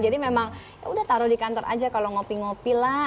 jadi memang yaudah taruh di kantor aja kalau ngopi ngopi lah